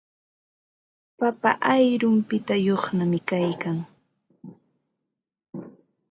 Papa ayrumpiyuqñami kaykan.